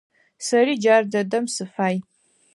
Сэри джар дэдэм сыфай.